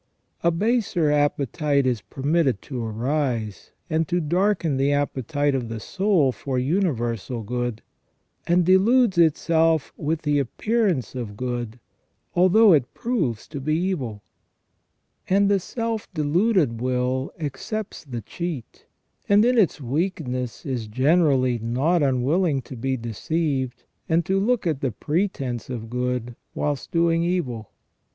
A baser appetite is permitted to arise and to darken the appetite of the soul for universal good, and deludes itself with the appearance of good, although it proves to be evil ; and the self deluded will accepts the cheat, and in its weakness is generally not unwilling to be deceived, and to look at the pretence of good whilst doing evil.